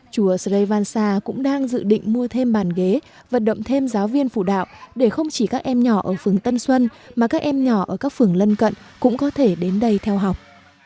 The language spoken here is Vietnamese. chùa srivansha cũng đang dự định mua thêm bàn ghế vận động thêm giáo viên phủ đạo để không chỉ các em nhỏ ở phường tân xuân mà các em nhỏ ở các phường lân cận cũng có thể đến đây theo học